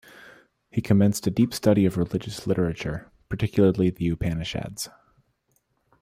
He commenced a deep study of religious literature, particularly the Upanishads.